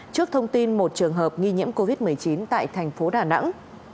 trước thông tin một trường hợp nghi nhiễm covid một mươi chín tại thành phố đà nẵng